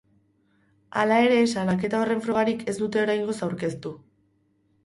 Hala ere, salaketa horren frogarik ez dute oraingoz aurkeztu.